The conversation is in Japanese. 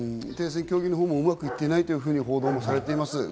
停戦協議のほうもうまくいっていないというふうに報告されています。